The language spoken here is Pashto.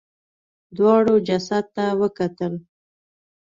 دواړو جسد ته وکتل.